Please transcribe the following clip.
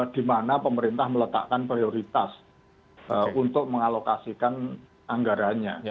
di mana pemerintah meletakkan prioritas untuk mengalokasikan anggaranya